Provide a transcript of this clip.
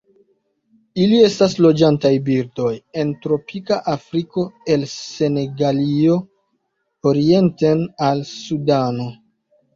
Ili estas loĝantaj birdoj en tropika Afriko el Senegalio orienten al Sudano.